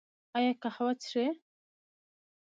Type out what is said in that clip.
ایا قهوه څښئ؟